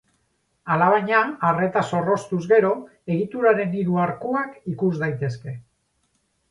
Alabaina, arreta zorroztuz gero, egituraren hiru arkuak ikus daitezke.